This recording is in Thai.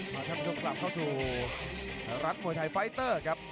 มาทำชุดกลับเข้าสู่รักหมวยไทยไฟเตอร์ครับ